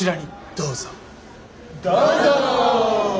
どうぞ！